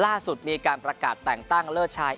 ล่าสุดมีการประกาศแต่งตั้งเลิศชาย